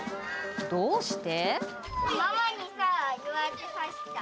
どうして？